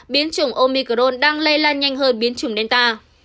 biến chủng omicron đang lây lan nhanh hơi biến chủng delta